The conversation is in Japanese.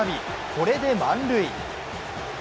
これで満塁。